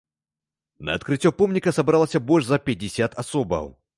На адкрыццё помніка сабралася больш за пяцьдзясят асобаў.